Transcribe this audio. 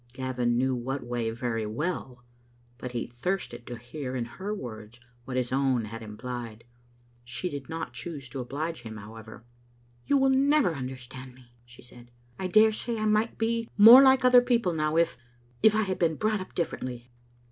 Gavin knew what way very well, but he thirsted to hear in her words what his own had implied. She did not choose to oblige him, however. " You never will understand me," she said. " I dare say I might be more like other people now, if — ^if I had been brought up differently.